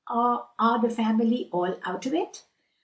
"Are the family all out of it?"